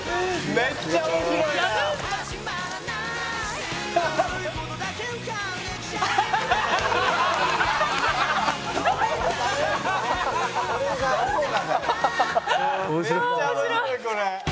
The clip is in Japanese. めっちゃ面白いこれ。